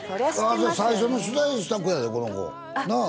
最初の取材した子やでこの子なあ？